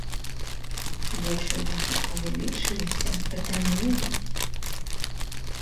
Вочы ў яго павялічыліся, пацямнелі.